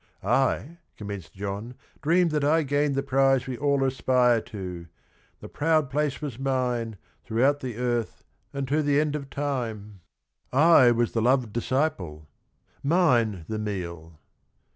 'I,' commenced John, 'dreamed that I gained the prize We all aspire to: the proud place was mine, Throughout the earth and to the end of time JURIS DOCTOR 147 I was the Loved Disciple : mine the meal